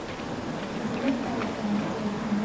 基本的な対策が必要ですね。